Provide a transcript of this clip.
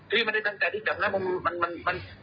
พี่ไม่ได้ตั้งแต่ที่จับนะมัน